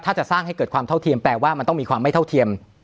ถ้าจะสร้างให้เกิดความเท่าเทียมแปลว่ามันต้องมีความไม่เท่าเทียม